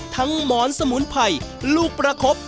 ทั้งหมอนสมุนไผ่ลูกประคบ